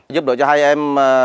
giúp đỡ cho hai em